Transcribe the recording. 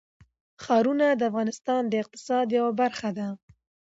ښارونه د افغانستان د اقتصاد یوه برخه ده.